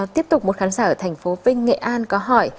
tiếp tục một khán giả ở thành phố vinh nghệ an có hỏi